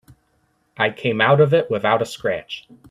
I came out of it without a scratch.